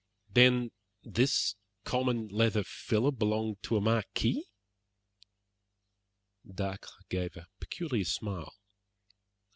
"Then this common leather filler belonged to a marquis?" Dacre gave a peculiar smile.